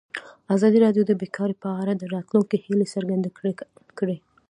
ازادي راډیو د بیکاري په اړه د راتلونکي هیلې څرګندې کړې.